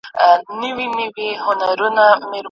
له آزاره د وهلو او د ښکره